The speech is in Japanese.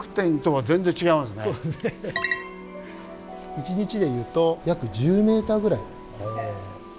１日でいうと約１０ｍぐらい。